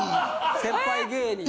先輩芸人。